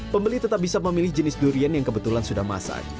pembeli tetap bisa memilih jenis durian yang kebetulan sudah masak